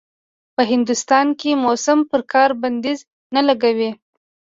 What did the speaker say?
په هندوستان کې موسم پر کار بنديز نه لګوي.